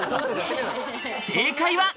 正解は。